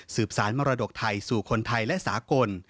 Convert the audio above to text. สารมรดกไทยสู่คนไทยและสากล